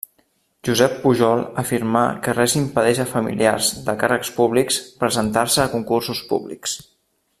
Josep Pujol afirmà que res impedeix a familiars de càrrecs públics presentar-se a concursos públics.